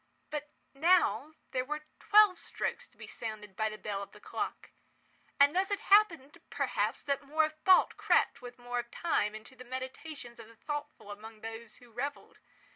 But now there were twelve strokes to be sounded by the bell of the clock; and thus it happened, perhaps, that more of thought crept, with more of time, into the meditations of the thoughtful among those who revelled.